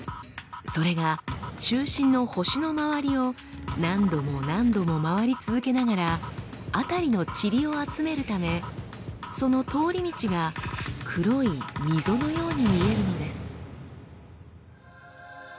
それが中心の星の周りを何度も何度も回り続けながら辺りのチリを集めるためその通り道が黒い溝のように見えるのです。